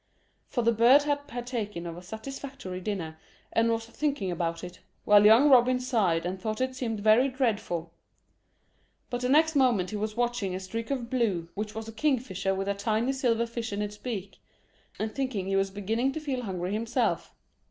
For the bird had partaken of a satisfactory dinner, and was thinking about it, while young Robin sighed and thought it seemed very dreadful; but the next moment he was watching a streak of blue, which was a kingfisher with a tiny silver fish in its beak, and thinking he was beginning to feel hungry himself.